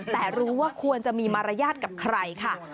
แต่รู้ว่าควรจะมีมารยาทกับใครค่ะ